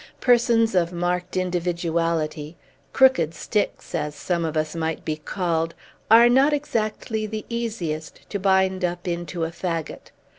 Persons of marked individuality crooked sticks, as some of us might be called are not exactly the easiest to bind up into a fagot.